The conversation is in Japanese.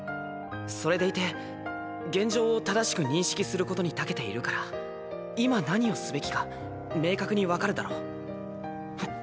それでいて現状を正しく認識することにたけているから今何をすべきか明確に分かるだろ？